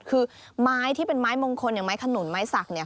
คือไม้ที่เป็นไม้มงคลอย่างไม้ขนุนไม้สักเนี่ย